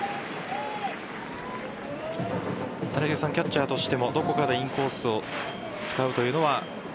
谷繁さん、キャッチャーとしてもどこかでインコースを使うというのは？